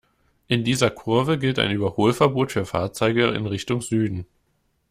In dieser Kurve gilt ein Überholverbot für Fahrzeuge in Richtung Süden.